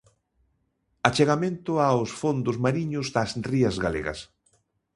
Achegamento aos fondos mariños das rías galegas.